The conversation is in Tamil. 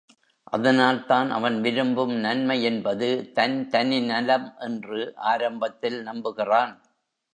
அதனால் தான் அவன் விரும்பும் நன்மை என்பது தன் தனி நலம் என்று ஆரம்பத்தில் நம்புகிறான்.